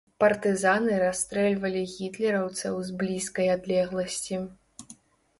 Партызаны расстрэльвалі гітлераўцаў з блізкай адлегласці.